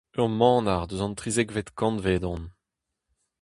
Ur manac'h eus an trizekvet kantved on.